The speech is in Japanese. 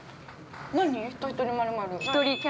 ◆何？